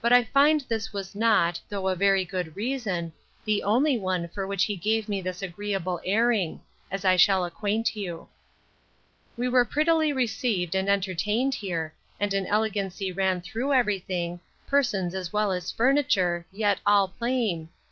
But I find this was not, though a very good reason, the only one for which he gave me this agreeable airing; as I shall acquaint you. We were prettily received and entertained here, and an elegancy ran through every thing, persons as well as furniture, yet all plain.